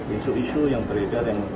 isu isu yang beredar yang